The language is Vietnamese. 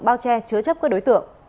bao che chứa chấp các đối tượng